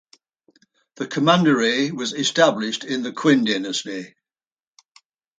The commandery was established in the Qin dynasty.